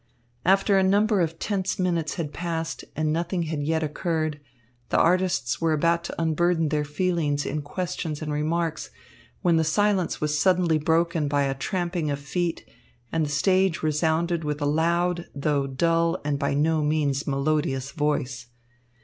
After a number of tense minutes had passed and nothing had yet occurred, the artists were about to unburden their feelings in questions and remarks, when the silence was suddenly broken by a tramping of feet, and the stage resounded with a loud, though dull and by no means melodious voice.